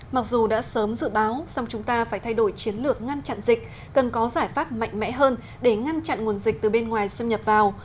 mặc dù đã sớm dự báo song chúng ta phải thay đổi chiến lược ngăn chặn dịch cần có giải pháp mạnh mẽ hơn để ngăn chặn nguồn dịch từ bên ngoài xâm nhập vào